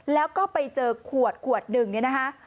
แล้วก็ไปเจอขวดหนึ่งนะคะ